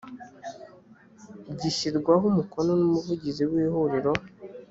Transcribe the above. gishyirwaho umukono n umuvugizi w ihuriro